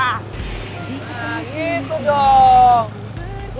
nah gitu dong